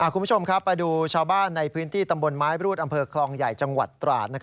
คุณผู้ชมครับไปดูชาวบ้านในพื้นที่ตำบลไม้บรูดอำเภอคลองใหญ่จังหวัดตราด